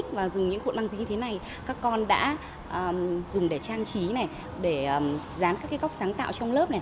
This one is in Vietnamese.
trong những cuộn băng dính như thế này các con đã dùng để trang trí để dán các góc sáng tạo trong lớp